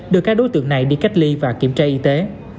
đưa các đối tượng này đi cách ly và kiểm tra y tế